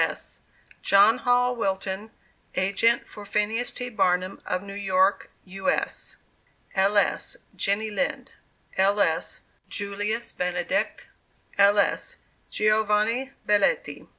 S.] JOHN HALL WILTON, Agent for PHINEAS T. BARNUM, of New York, U. S. [L. S.] JENNY LIND. [L. S.] JULIUS BENEDICT. [L. S.] GIOVANNI BELLETTI.